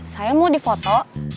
saya mau di foto